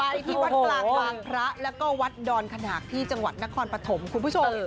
ไปที่วัดตากภาพระและก็วัดดอนขณะที่จังหวัดนครปฏหมคุณผู้ชม